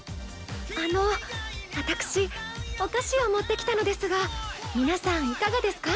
あの私お菓子を持ってきたのですが皆さんいかがですか？